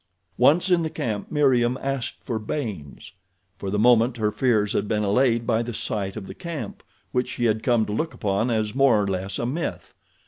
Once in the camp Meriem asked for Baynes. For the moment her fears had been allayed by the sight of the camp, which she had come to look upon as more or less a myth.